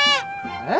えっ。